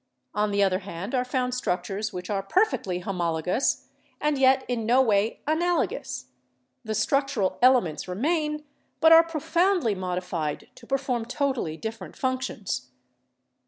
On the other hand are found structures which are perfectly homologous and yet in no way analogous : the structural elements remain, but are profoundly modi fied to perform totally different functions.